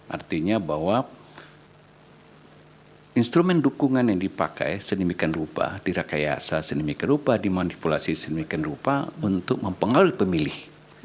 artinya bahwa instrumen dukungan yang dipakai sedemikian rupa dirakayasa sedemikian rupa dimanipulasi sedemikian rupa untuk mempengaruhi pemilih